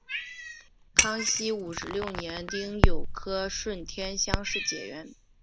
康熙五十六年丁酉科顺天乡试解元。